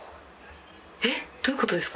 えっどういう事ですか？